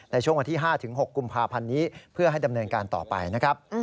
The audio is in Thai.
ในช่วงวันที่๕๖กุมภาพันธ์นี้เพื่อให้ดำเนินการต่อไปนะครับ